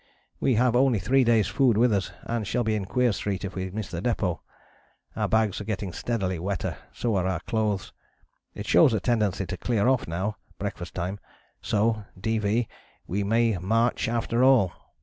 We have only three days' food with us and shall be in Queer Street if we miss the depôt. Our bags are getting steadily wetter, so are our clothes. It shows a tendency to clear off now (breakfast time) so, D.V., we may march after all.